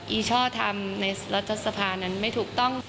อีช่อทำในรัฐสภานั้นไม่ถูกต้อง